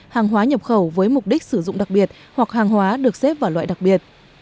hàng hóa nhập khẩu với mục đích sử dụng đặc biệt hoặc hàng hóa được xếp vào loại đặc biệt